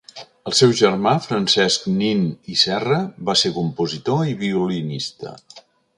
El seu germà, Francesc Nin i Serra, va ser compositor i violinista.